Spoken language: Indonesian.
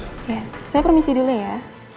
aku mau panggil nasi dulu ya